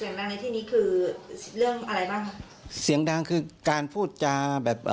เสียงดังในที่นี้คือเรื่องอะไรบ้างเสียงดังคือการพูดจาแบบเอ่อ